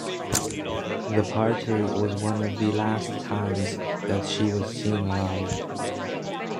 The party was one of the last times that she was seen alive.